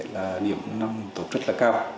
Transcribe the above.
là điểm tổ chức là cao